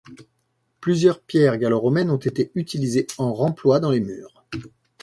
Plusieurs pierres gallo-romaines ont été utilisées en remploi dans les murs.